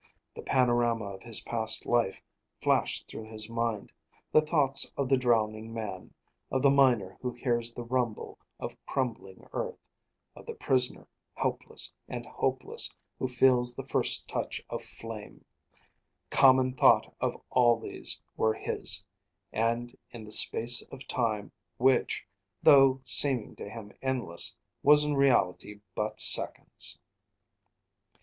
The panorama of his past life flashed through his mind. The thoughts of the drowning man, of the miner who hears the rumble of crumbling earth, of the prisoner helpless and hopeless who feels the first touch of flame, common thought of all these were his; and in a space of time which, though seeming to him endless, was in reality but seconds.